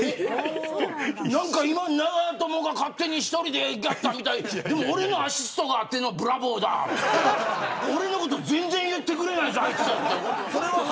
何か長友が勝手に１人でやったみたいだけど俺のアシストがあってのブラボーだ俺のこと全然言ってくれないぞ、あいつって。